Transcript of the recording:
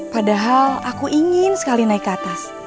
padahal aku ingin sekali naik ke atas